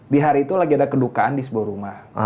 di hari itu lagi ada kedukaan di sebuah rumah